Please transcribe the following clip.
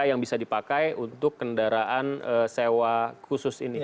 yang bisa dipakai untuk kendaraan sewa khusus ini